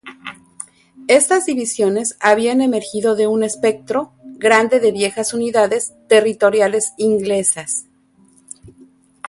Estas divisiones habían emergido de un espectro grande de viejas unidades territoriales inglesas.